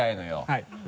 はい。